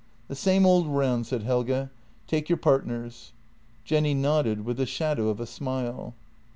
"The same old round," said Helge; "take your partners." Jenny nodded, with the shadow of a smile.